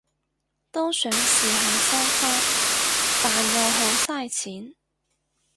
都想試下收花，但又好晒錢